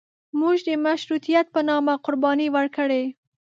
موږ د مشروطیت په نامه قرباني ورکړې.